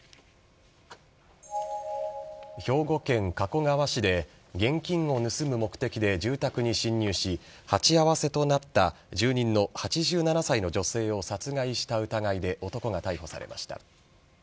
兵庫県加古川市で現金を盗む目的で住宅に侵入し鉢合わせとなった住人の８７歳の女性を殺害した疑いで男が逮捕されました。